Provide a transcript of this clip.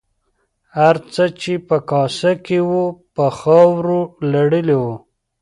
هر څه چې په کاسه کې وو په خاورو لړلي وو.